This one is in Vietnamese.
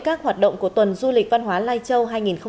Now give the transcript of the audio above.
các hoạt động của tuần du lịch văn hóa lai châu hai nghìn một mươi sáu